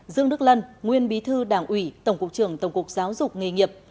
dương đức lân nguyên bí thư đảng ủy tổng cục trưởng tổng cục giáo dục nghề nghiệp